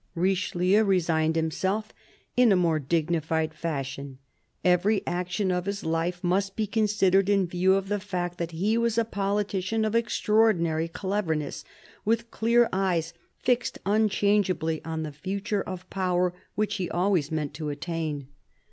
Richelieu resigned himself in a more dignified fashion. Every action of his life must be considered in view of the fact that he was a politician of extraordinary cleverness, with clear eyes fixed unchangeably on the future of power which he always meant to attain.